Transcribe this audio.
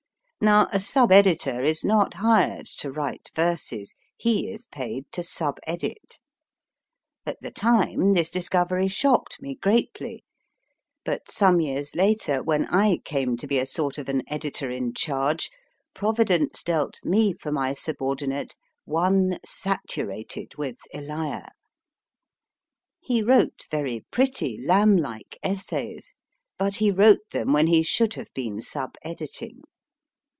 Now, a sub editor is not hired to write verses : he is paid to sub edit. At the time, this discovery shocked me greatly ; but, some years later, when I came to be a sort of an editor in charge, Provi dence dealt me for my subordinate one saturated with Elia. HE NEWSPAPER FILES 9 2 MY FIRST BOOK He wrote very pretty, Lamblike essays, but he wrote them when he should have been sub editing.